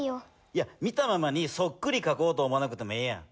いや見たままにそっくりかこうと思わなくてもええやん。